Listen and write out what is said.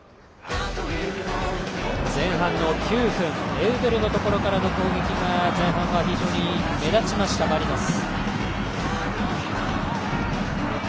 前半の９分エウベルのところからの攻撃が前半は非常に目立ちましたマリノス。